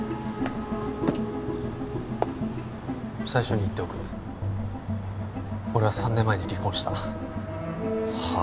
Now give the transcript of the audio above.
最初に言っておく俺は３年前に離婚したはあ？